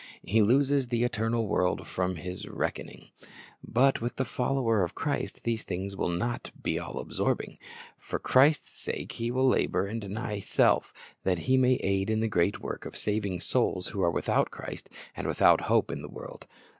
He loses the eternal world from his reck oning. But with the follower of Christ these things will not be all absorbing. For Christ's sake he will labor and deny self, that he may aid in the great work of saving souls who are without Christ and without hope in the world.